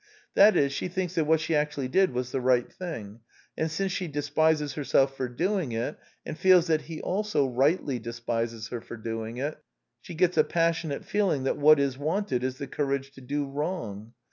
That is, she thinks that what she actually did was the right thing; and since she despises herself for doing it, and feels that he also rightly despises her for doing it, she gets a passionate feeling that what is wanted is the courage to do wrong.